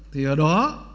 thì ở đó